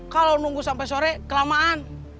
kalau nunggu sampai sore kelamaan